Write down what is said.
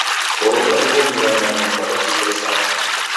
Koroga ugho mranganyo kwa dakika isanu.